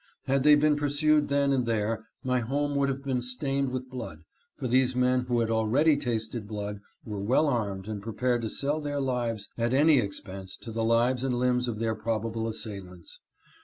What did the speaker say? Had they been pursued then and there, my home would have been stained with blood, for these men who had already tasted blood were well armed and prepared to sell their lives at any expense to the lives and limbs of their prob ble assailants.